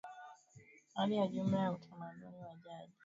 hali ya jumla ya utamaduni wa jadi